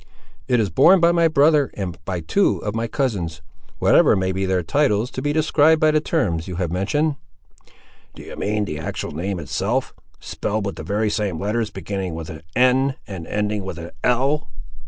"It is borne by my brother, and by two of my cousins, whatever may be their titles to be described by the terms you have mentioned." "Do you mean the actual name itself; spelt with the very same letters, beginning with an N and ending with an L?"